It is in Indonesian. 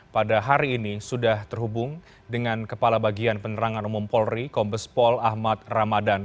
pada hari ini sudah terhubung dengan kepala bagian penerangan umum polri kombespol ahmad ramadan